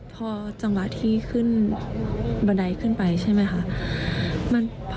พอจังหวะที่ขึ้นบันไดขึ้นไปใช่ไหมคะ